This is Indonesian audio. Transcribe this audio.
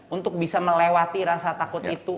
untuk bisa melewati rasa takut itu